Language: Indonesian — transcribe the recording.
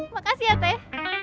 makasih ya teh